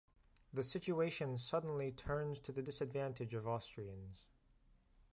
The situation suddenly turns to the disadvantage of Austrians.